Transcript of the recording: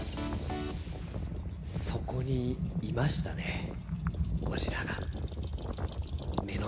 そこにいましたね、ゴジラが。